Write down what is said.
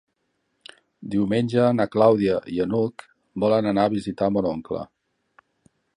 Diumenge na Clàudia i n'Hug volen anar a visitar mon oncle.